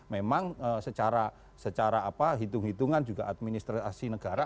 memang secara hitung hitungan juga administrasi negara